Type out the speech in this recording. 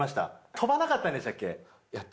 飛ばなかったんでしたっけ？